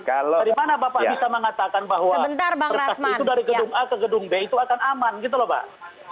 dari mana bapak bisa mengatakan bahwa berkas itu dari gedung a ke gedung b itu akan aman gitu loh pak